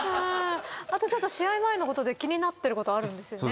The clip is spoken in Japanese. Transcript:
あとちょっと試合前のことで気になってることあるんですよね？